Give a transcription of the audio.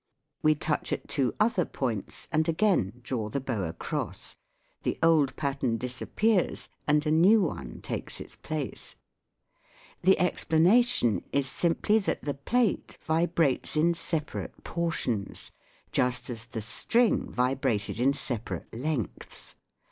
71). We touch at two other points, and again draw the bow across : the old pattern disappears, and a new one takes its place. The explanation is simply that the plate vi brates in separate portions, just as the string vibrated in separate lengths.